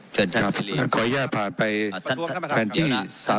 เขาใหญ้ประท้องของเขา